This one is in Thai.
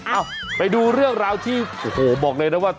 เอ้าไปดูเรื่องราวที่โอ้โหบอกเลยนะว่า